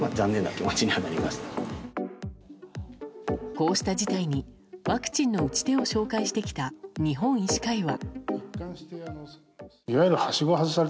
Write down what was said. こうした事態にワクチンの打ち手を紹介してきた日本医師会は。